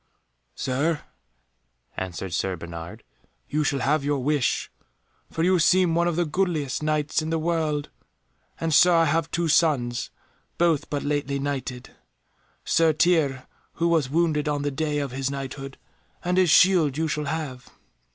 "Sir," answered Sir Bernard, "you shall have your wish, for you seem one of the goodliest Knights in the world. And, Sir, I have two sons, both but lately knighted, Sir Tirre who was wounded on the day of his Knighthood, and his shield you shall have.